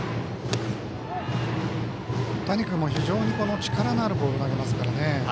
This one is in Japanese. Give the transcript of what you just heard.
谷君も非常に力のあるボールを投げますからね。